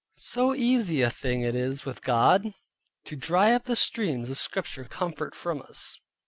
So easy a thing it is with God to dry up the streams of Scripture comfort from us.